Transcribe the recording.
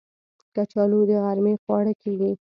کچالو د غرمې خواړه کېږي